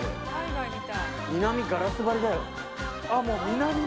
南、ガラス張りだよ。